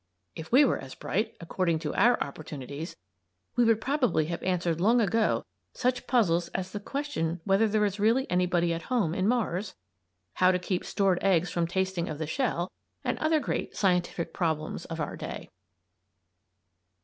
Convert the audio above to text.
If we were as bright, according to our opportunities, we would probably have answered long ago such puzzles as the question whether there is really anybody at home in Mars, how to keep stored eggs from tasting of the shell, and other great scientific problems of our day.